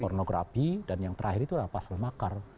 pornografi dan yang terakhir itu adalah pasal makar